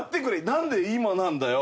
なんで今なんだよ。